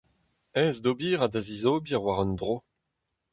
Aes d'ober ha da zizober war un dro.